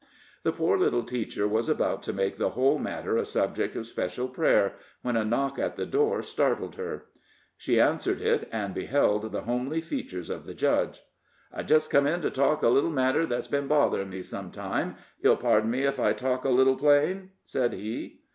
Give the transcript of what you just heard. The poor little teacher was about to make the whole matter a subject of special prayer, when a knock at the door startled her. She answered it, and beheld the homely features of the judge. "I just come in to talk a little matter that's been botherin' me some time. Ye'll pardon me ef I talk a little plain?" said he.